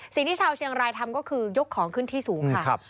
สิ่งที่ชาวเชียงรายทำก็คือยกของขึ้นที่สูงค่ะ